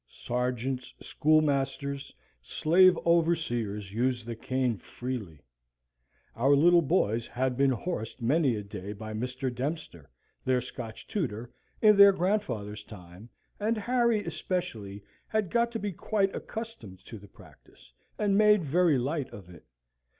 Sergeants, schoolmasters, slave overseers, used the cane freely. Our little boys had been horsed many a day by Mr. Dempster, their Scotch tutor, in their grandfather's time; and Harry, especially, had got to be quite accustomed to the practice, and made very light of it.